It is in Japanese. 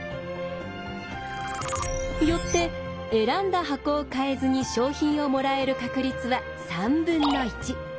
よって選んだ箱を変えずに賞品をもらえる確率は３分の１。